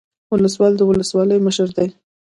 ولسوال د ولسوالۍ مشر دی